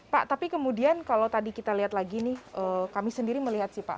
pak tapi kemudian kalau tadi kita lihat lagi nih kami sendiri melihat sih pak